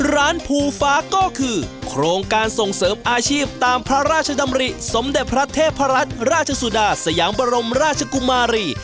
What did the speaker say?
ร้านภูฟ้าก็คือโครงการส่งเสริมอาชีพตามพระราชดำริสมเด็จพระเทพรัตน์ราชสุดาสยามบรมราชกุมารี